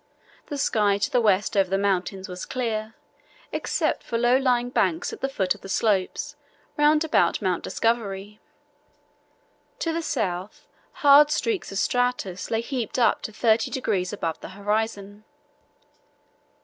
The sky to the west over the mountains was clear, except for low lying banks at the foot of the slopes round about Mount Discovery. To the south hard streaks of stratus lay heaped up to 30 degrees above the horizon....